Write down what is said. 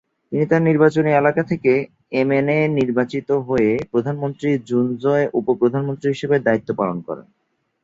তিনি তার নির্বাচনী এলাকা থেকে এমএনএ নির্বাচিত হয়ে প্রধানমন্ত্রী জুনজোয় উপ-প্রধানমন্ত্রী হিসাবে দায়িত্ব পালন করেন।